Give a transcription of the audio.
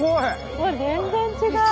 うわ全然違う。